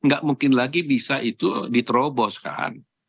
gak mungkin lagi bisa itu diteroboskan